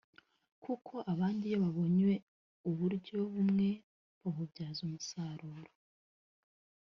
kuko abandi iyo babonye uburyo bumwe babubyaza umusaruro